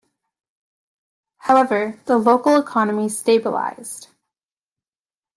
However, the local economy stabilized.